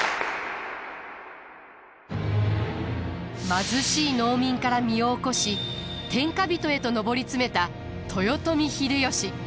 貧しい農民から身を起こし天下人へと上り詰めた豊臣秀吉。